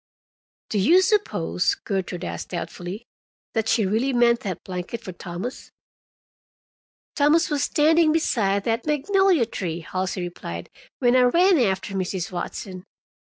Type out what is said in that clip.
"Do you suppose," Gertrude asked doubtfully, "that she really meant that blanket for Thomas?" "Thomas was standing beside that magnolia tree," Halsey replied, "when I ran after Mrs. Watson.